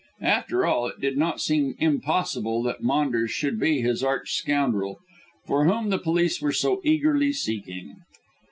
After all, it did not seem impossible that Maunders should be this arch scoundrel, for whom the police were so eagerly seeking.